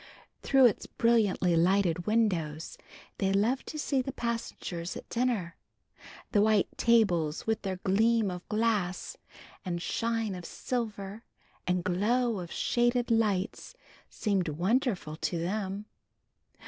Through its brilliantly lighted windows they loved to see the passengers at dinner. The white tables with their gleam of glass and shine of silver and glow of shaded lights seemed wonderful to them.